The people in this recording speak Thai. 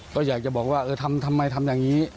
ก็อยากจะบอกว่าเออทำทำไมทำอย่างนี้